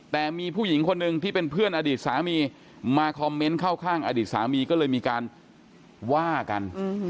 แต่มีผู้หญิงคนหนึ่งที่เป็นเพื่อนอดีตสามีมาคอมเมนต์เข้าข้างอดีตสามีก็เลยมีการว่ากัน